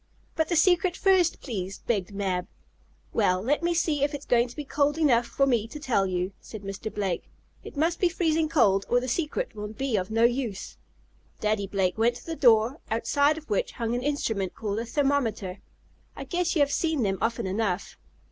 "But the secret first, please," begged Mab. "Well, let me see if it is going to be cold enough for me to tell you," said Mr. Blake. "It must be freezing cold, or the secret will be of no use." Daddy Blake went to the door, outside of which hung an instrument called a thermometer. I guess you have seen them often enough.